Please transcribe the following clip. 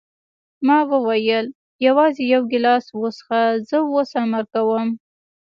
ما وویل: یوازې یو ګیلاس وڅښه، زه اوس امر کوم.